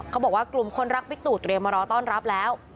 เขาบอกว่ากลุ่มคนรักบิ๊กตู่เตรียมมารอต้อนรับแล้ว